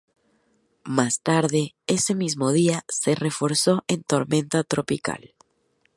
Más tarde ese mismo día se reforzó en tormenta tropical.